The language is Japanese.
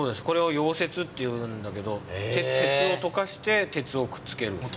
これを溶接っていうんだけど鉄をとかして鉄をくっつける。